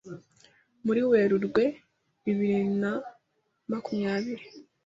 muri Werurwe bibiri na makumyabiri